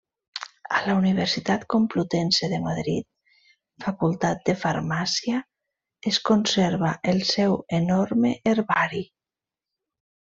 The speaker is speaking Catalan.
A la Universitat Complutense de Madrid, Facultat de Farmàcia es conserva el seu enorme herbari.